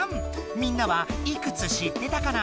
みんなはいくつ知ってたかな？